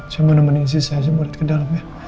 saya mau nemenin istri saya saya mau lihat ke dalam ya